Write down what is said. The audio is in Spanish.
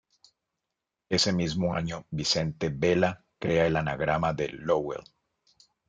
Ese mismo año Vicente Vela crea el anagrama de Loewe.